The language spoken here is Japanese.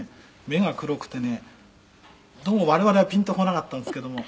目が黒くてねどうも我々はピンとこなかったんですけども」